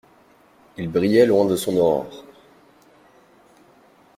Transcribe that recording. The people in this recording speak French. Il brillait loin de son aurore.